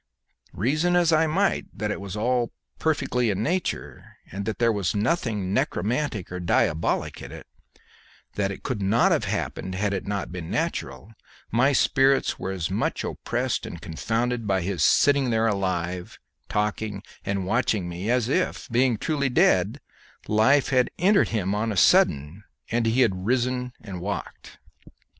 Reason as I might that it was all perfectly in nature, that there was nothing necromantic or diabolic in it, that it could not have happened had it not been natural, my spirits were as much oppressed and confounded by his sitting there alive, talking, and watching me, as if, being truly dead, life had entered him on a sudden, and he had risen and walked.